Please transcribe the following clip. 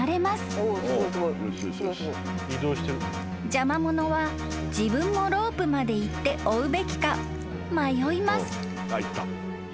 ［邪魔者は自分もロープまで行って追うべきか迷います］